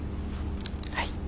はい。